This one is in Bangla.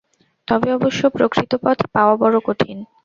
তবে অবশ্য প্রকৃত পথ পাওয়া বড় কঠিন।